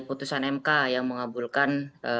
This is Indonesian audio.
keputusan mk yang mengabulkan